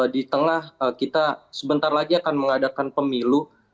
di tengah kita sebentar lagi akan mengadakan pemilu